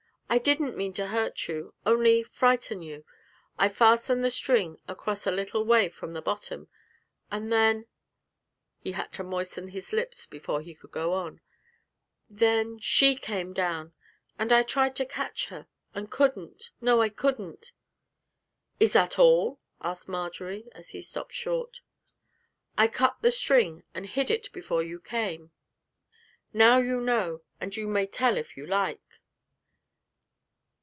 I didn't mean to hurt you only frighten you. I fastened the string across a little way from the bottom. And then' he had to moisten his lips before he could go on 'then she came down, and I tried to catch her and couldn't no, I couldn't!' 'Is that all?' asked Marjory, as he stopped short. 'I cut the string and hid it before you came. Now you know, and you may tell if you like!'